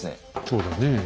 そうだねえ。